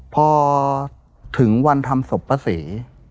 พอถึงวันทำศพป้าศรี